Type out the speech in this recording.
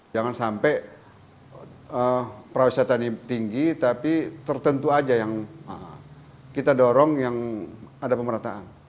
jangan sampai perawatan ini tinggi tapi tertentu saja yang kita dorong yang ada pemerataan